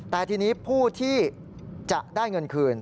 แต่ทีนี้ผู้ที่จะได้เงินคืน